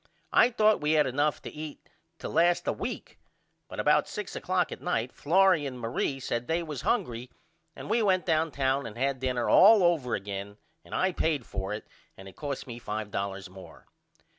I thought we had enough to eat to last a week but about six o'clock at night Florrie and Marie said they was hungry and we went downtown and had dinner all over again and I payed for it and it cost me $5 more.